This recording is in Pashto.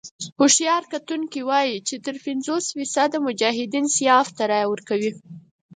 هوښیار کتونکي وايي چې تر پينځوس فيصده مجاهدين سیاف ته رايه ورکوي.